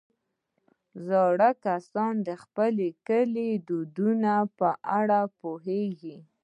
زاړه کسان د خپل کلي د دودونو په اړه پوهېږي